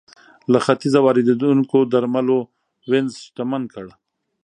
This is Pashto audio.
له ختیځه واردېدونکو درملو وینز شتمن کړ.